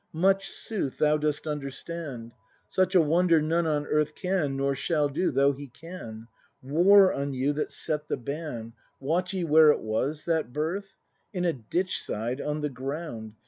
Much, sooth, thou dost understand! Such a wonder none on earth Can, nor shall do, though he can! War on you that set the ban, — Wot ye where it was, that birth ? In a ditch side, on the ground.